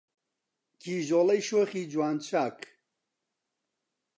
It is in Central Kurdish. کیژۆڵەی شۆخی جوان چاک